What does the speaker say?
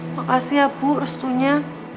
makasih ya bu restunya